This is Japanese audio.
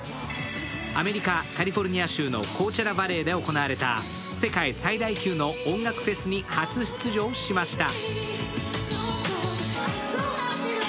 アメリカ・カリフォルニア州のコーチェラ・バレーで行われた世界最大級の音楽フェスに初出場しました。